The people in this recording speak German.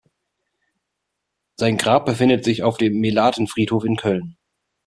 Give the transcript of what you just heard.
Sein Grab befindet sich auf dem Melaten-Friedhof in Köln.